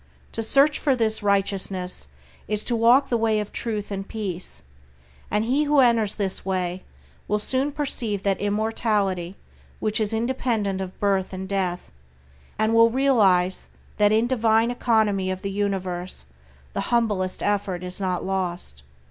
To search for this Righteousness is to walk the Way of Truth and Peace, and he who enters this Way will soon perceive that Immortality which is independent of birth and death, and will realize that in the Divine economy of the universe the humblest effort is not lost.